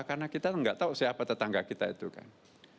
karena kita nggak tahu siapa tetangga kita itu kan